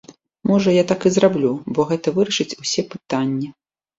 Можа, я так і зраблю, бо гэта вырашыць усе пытанні.